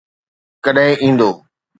ڪڏهن ايندو؟